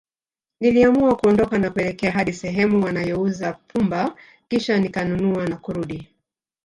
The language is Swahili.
Niliamua kuondoka na kuelekea hadi sehemu wanayouza pumba Kisha nikanunua na kurudi